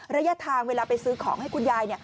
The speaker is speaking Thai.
ระยะทางเวลาไปซื้อของให้คุณยาย